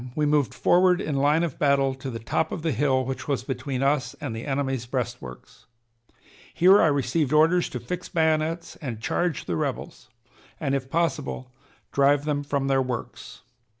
we moved forward in line of battle to the top of the hill which was between us and the enemy's breastworks. Here I received orders to fix bayonets and charge the rebels, and, if possible, drive them from their works.